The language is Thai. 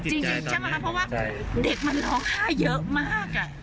จริงใช่ไหมคะเพราะว่าเด็กมันร้องไห้เยอะมาก